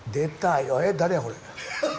誰やこれ。